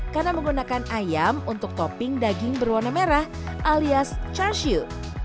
karena menggunakan ayam untuk topping daging berwarna merah alias chashu